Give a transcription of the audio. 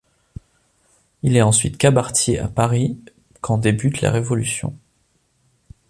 Il est ensuite cabaretier à Paris quand débute la Révolution.